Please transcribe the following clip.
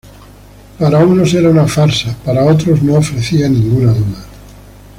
Para unos era una farsa, para otros no ofrecía ninguna duda.